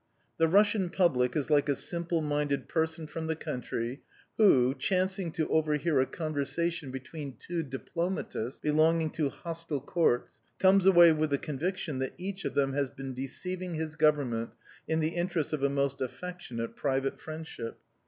The Russian public is like a simple minded person from the country who, chancing to overhear a conversation between two diplomatists belonging to hostile courts, comes away with the conviction that each of them has been deceiving his Government in the interest of a most affectionate private friendship.